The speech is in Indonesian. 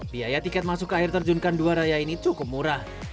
biaya tiket masuk ke air terjunkan dua raya ini cukup murah